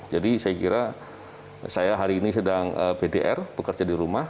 jadi saya kira saya hari ini sedang bdr bekerja di rumah